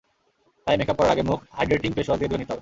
তাই মেকআপ করার আগে মুখ হাইড্রেটিং ফেসওয়াশ দিয়ে ধুয়ে নিতে হবে।